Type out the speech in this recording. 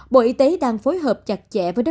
bộ y tế đang phối hợp chặt chẽ với đơn